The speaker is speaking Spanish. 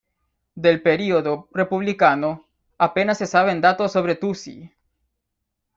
Del periodo republicano, apenas se saben datos sobre Tucci.